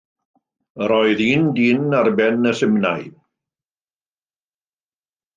Yr oedd un dyn ar ben y simnai.